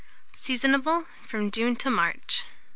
Seasonable from June to March.